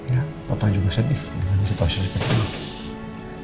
ya bapak juga sedih dengan situasi seperti ini